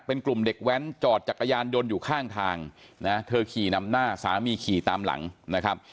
เป็นกลุ่มเด็กแว้นจอดจักรยานยนต์อยู่ข้างทางนะเธอขี่นำหน้าสามีขี่ตามหลังนะครับ